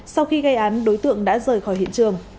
sau khi gây án đối tượng đã rời khỏi hiện trường